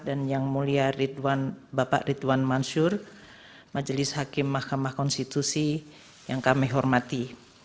dan yang mulia bapak ridwan mansyur majelis hakim mahkamah konstitusi yang kami hormati